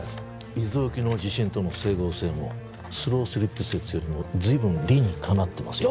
伊豆沖の地震との整合性もスロースリップ説よりも随分理にかなってますよ